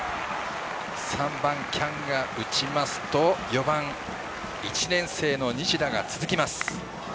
３番・喜屋武が打ちますと４番・１年生の西田が続きます。